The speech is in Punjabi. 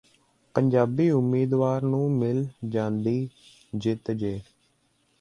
ਪੰਜਾਬੀ ਉਮੀਦਵਾਰ ਨੂੰ ਮਿਲ ਜਾਂਦੀ ਜਿੱਤ ਜੇ